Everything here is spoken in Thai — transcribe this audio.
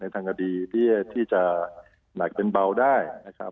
ทางกระดีที่จะหนักเป็นเบาได้